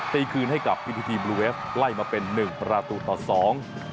ตีคืนให้กับพรีพิทีส์วีฟไล่มาเป็นนึงประตูต่อสอง